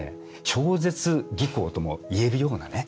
超絶技巧とも言えるようなね